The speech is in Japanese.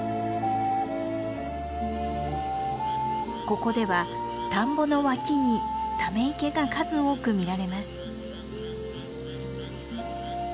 ここでは田んぼの脇にため池が数多く見られます。